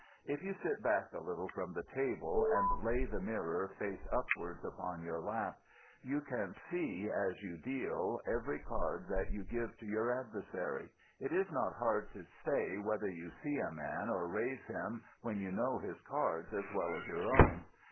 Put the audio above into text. If you sit back a little from the table, and lay the mirror, face upwards, upon your lap, you can see, as you deal, every card that you give to your adversary. It is not hard to say whether you see a man or raise him when you know his cards as well as your own.